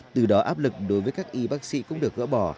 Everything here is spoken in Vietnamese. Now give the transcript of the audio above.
từ đó áp lực đối với các y bác sĩ cũng được gỡ bỏ